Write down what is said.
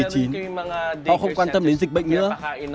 họ không quan tâm đến dịch bệnh nữa